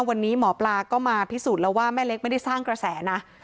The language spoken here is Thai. วันนี้หมอปลาก็มาพิสูจน์แล้วว่าแม่เล็กไม่ได้สร้างกระแสนะ